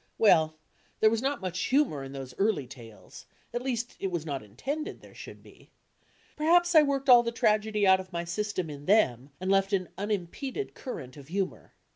Well, there was not much humour in those early rales, at least, it was not intended there should be. Perhaps I worked all the tragedy out of my system in them, and left an unimpeded current of humour.